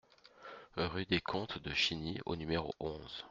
Rue des Comtes de Chiny au numéro onze